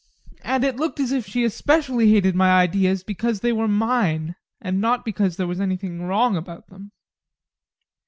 And it looked as if she especially hated my ideas because they were mine, and not because there was anything wrong about them.